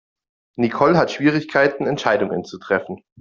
Nicole hat Schwierigkeiten Entscheidungen zu treffen.